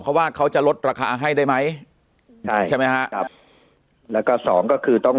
เขาว่าเขาจะลดราคาให้ได้ไหมใช่ใช่ไหมฮะครับแล้วก็สองก็คือต้อง